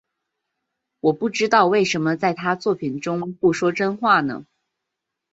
我不知道为什么在他作品中不说真话呢？